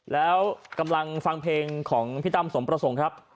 แล้วกำลังฟังเพลงของพี่ตั้มสมประสงค์ครับ